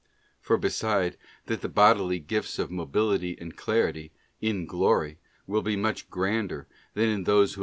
For beside that the bodily gifts of Mobility and Clarity, in Glory, will be much grander than in those who.